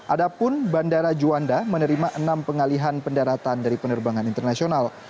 adapun bandara juanda menerima enam pengalihan pendaratan dari penerbangan internasional